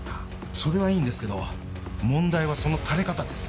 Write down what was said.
それはいいんですけど問題はその垂れ方です。